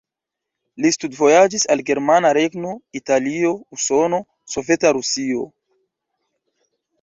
Li studvojaĝis al Germana Regno, Italio, Usono, Soveta Rusio.